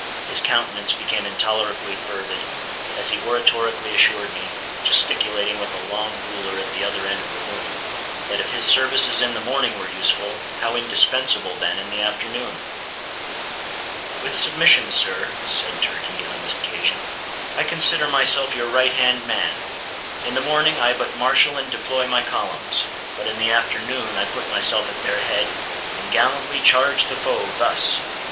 His countenance became intolerably fervid, as he oratorically assured me—gesticulating with a long ruler at the other end of the room—that if his services in the morning were useful, how indispensable, then, in the afternoon? "With submission, sir," said Turkey on this occasion, "I consider myself your right hand man. In the morning I but marshal and deploy my columns; but in the afternoon I put myself at their head, and gallantly charge the foe, thus!"